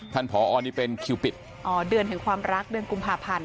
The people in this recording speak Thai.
ผอนี่เป็นคิวปิดอ๋อเดือนแห่งความรักเดือนกุมภาพันธ์